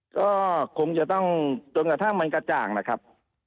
ก็คงจะต้องจนกระทั่งมันกระจ่างนะครับ